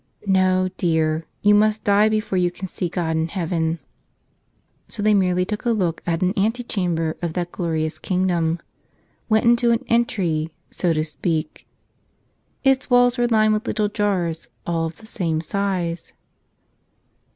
No, dear, you must die before you can see God in heaven." So they merely took a look at an antechamber of that glorious kingdom — went into an entry, so to speak. Its walls were lined with little jars all of the same size.